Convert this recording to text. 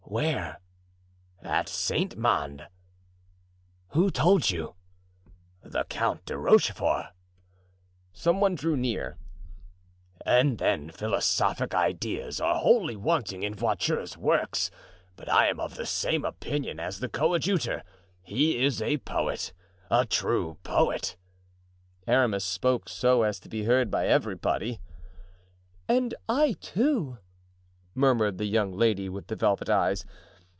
"Where?" "At Saint Mande." "Who told you?" "The Count de Rochefort." Some one drew near. "And then philosophic ideas are wholly wanting in Voiture's works, but I am of the same opinion as the coadjutor—he is a poet, a true poet." Aramis spoke so as to be heard by everybody. "And I, too," murmured the young lady with the velvet eyes.